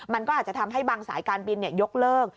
มันก็อาจจะทำให้บางสายการบินยกเลิก